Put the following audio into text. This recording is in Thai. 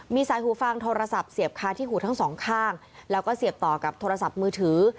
มีสายหูฟังโทรศัพท์เสียบคาที่หูทั้งสองข้างแล้วก็เสียบต่อกับโทรศัพท์มือถือ